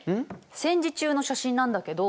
戦時中の写真なんだけど。